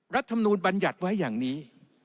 รัฐมนูลบัญญัติไว้อย่างนี้